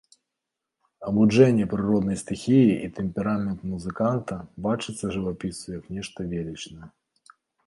Абуджэнне прыроднай стыхіі і тэмперамент музыканта бачыцца жывапісцу як нешта велічнае.